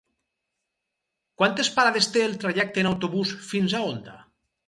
Quantes parades té el trajecte en autobús fins a Onda?